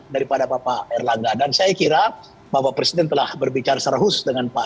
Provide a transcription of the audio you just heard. daripada bapak erlangga dan saya kira bapak presiden telah berbicara secara khusus dengan pak